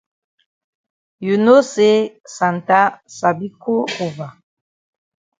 You know say Santa sabi cold over.